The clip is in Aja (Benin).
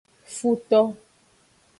Futo.